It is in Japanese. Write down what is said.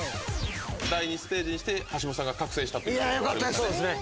第２ステージにして橋本さんが覚醒したということで。